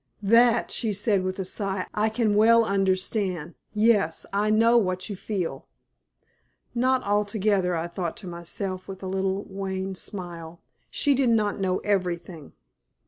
"That," she said, with a sigh, "I can well understand. Yes, I know what you feel." Not altogether, I thought to myself, with a little wan smile. She did not know everything.